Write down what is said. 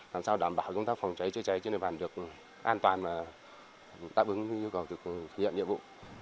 làm sao đảm bảo công tác phòng cháy chữa cháy trên địa bàn được an toàn và đáp ứng yêu cầu thực hiện nhiệm vụ